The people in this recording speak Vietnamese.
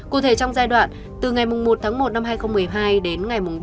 cụ thể trong giai đoạn từ ngày một một hai nghìn một mươi hai đến ngày bảy một mươi hai nghìn hai mươi hai